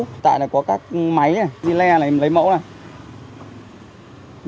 hiện tại là có các máy này dì le này lấy mẫu này